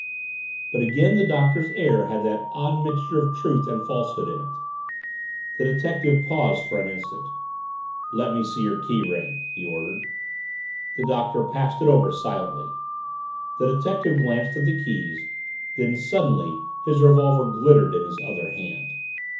But again the Doctor's air had that odd mixture of truth and falsehood in it. The detective paused for an instant. "Let me see your key ring!" he ordered. The Doctor passed it over silently. The detective glanced at the keys then, suddenly, his revolver glittered in his other hand.